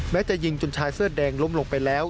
จะยิงจนชายเสื้อแดงล้มลงไปแล้ว